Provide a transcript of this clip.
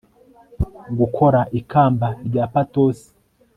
Gukora ikamba rya patos